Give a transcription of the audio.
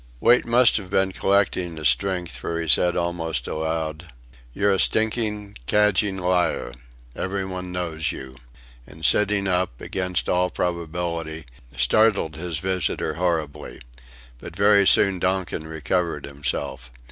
Wait must have been collecting his strength, for he said almost aloud "You're a stinking, cadging liar. Every one knows you." And sitting up, against all probability, startled his visitor horribly. But very soon Donkin recovered himself.